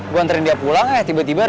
gue anterin dia pulang aja tiba tiba